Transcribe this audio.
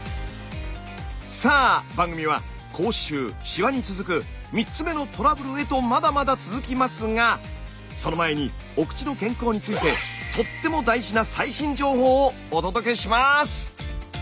さあ番組は「口臭」「シワ」に続く３つ目のトラブルへとまだまだ続きますがその前にお口の健康についてをお届けします！